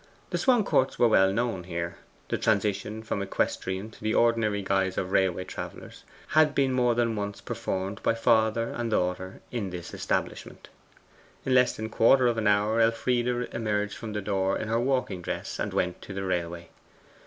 The Swancourts were well known here. The transition from equestrian to the ordinary guise of railway travellers had been more than once performed by father and daughter in this establishment. In less than a quarter of an hour Elfride emerged from the door in her walking dress, and went to the railway.